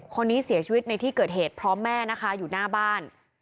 คนนี้เสียชีวิตในที่เกิดเหตุพร้อมแม่นะคะอยู่หน้าบ้าน